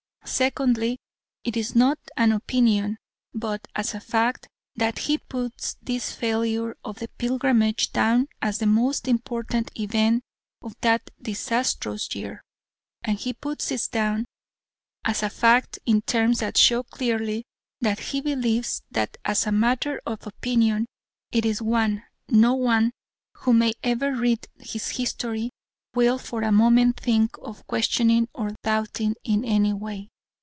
Secondly, it is not as an opinion but as a fact that he puts this failure of the pilgrimage down as the most important event of that disastrous year. And he puts it down as a fact in terms that show clearly that he believes that as a matter of opinion it is one no one who may ever read his history will for a moment think of questioning or doubting in any way.